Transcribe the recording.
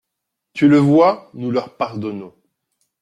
Tu le vois, nous leur pardonnons.